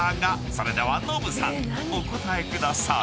［それではノブさんお答えください］